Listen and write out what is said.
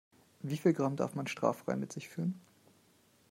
Wie viel Gramm darf man straffrei mit sich führen?